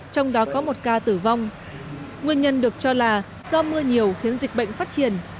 trong đó có một ca tử vong nguyên nhân được cho là do mưa nhiều khiến dịch bệnh phát triển